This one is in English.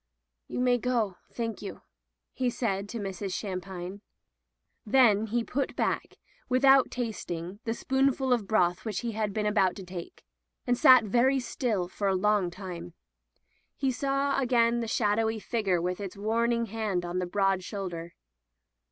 "You may go, thank you," he said to Mrs. Shampine. Then he put back, with out tasting, the spoonful of broth which he had been about to take, and sat very still for a long time. He saw again the shadowy figure with its warning hand upon the broad shoulder.